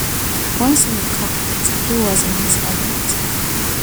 Once in the cockpit, he was in his element.